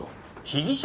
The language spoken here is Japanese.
被疑者？